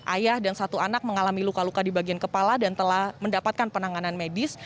ayah dan satu anak mengalami luka luka di bagian kepala dan telah mendapatkan penanganan medis